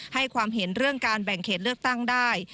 ให้ความเห็นเรื่องการแบ่งเขตเลือกตั้งได้